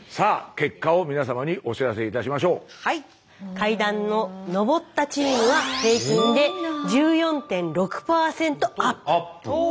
階段を上ったチームは平均で１４．６％アップ。